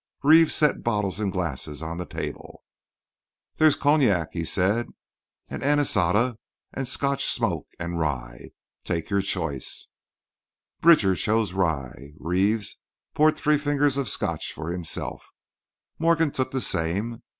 Reeves set bottles and glasses on the table. "There's cognac," he said, "and anisada, and Scotch 'smoke,' and rye. Take your choice." Bridger chose rye, Reeves poured three fingers of Scotch for himself, Morgan took the same.